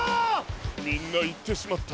みんないってしまった。